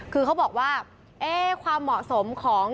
คือเขาบอกว่าความเหมาะสมของ